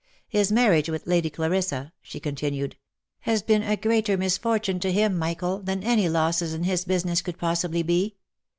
" His marriage with Lady Clarissa," she continued, " has been a greater misfortune to him, Michael, than any losses in his business could possibly be.